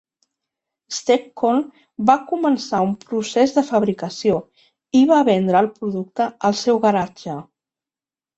Steccone va començar un procés de fabricació i va vendre el producte al seu garatge.